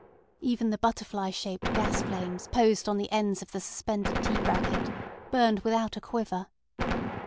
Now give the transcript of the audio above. Even the butterfly shaped gas flames posed on the ends of the suspended T bracket burned without a quiver.